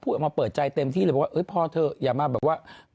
พูดกันมาช่วยเปิดใจเต็มที่พ่อเธอยามาบอกว่า